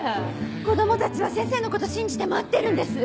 子供たちは先生のこと信じて待ってるんです。